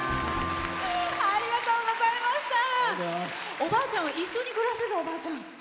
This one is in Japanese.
おばあちゃんは一緒に暮らしておばあちゃん。